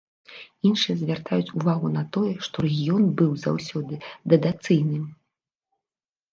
Іншыя звяртаюць увагу на тое, што рэгіён быў заўсёды датацыйным.